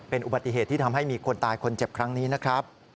เป็นอุบัติเหตุที่ทำให้มีคนตายคนเจ็บครั้งนี้นะครับ